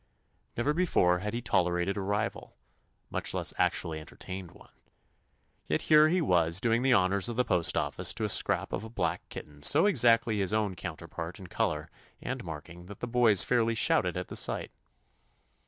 Never before had he tolerated a rival, much less actually entertained one. Yet here he was doing the honors of the postoffice to a scrap of a black kitten so exactly his own counterpart in color and marking that the boys fairly shouted at the sight.